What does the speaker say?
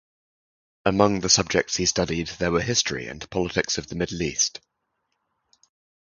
Among the subjects he studied there were history and politics of the Middle East.